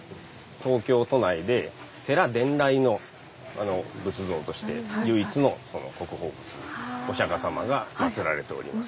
東京都内で寺伝来の仏像として唯一の国宝仏お釈様がまつられております。